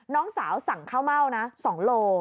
น้องสาวสั่งข้าวเม่านะ๒โล